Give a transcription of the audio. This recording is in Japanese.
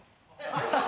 ハハハ！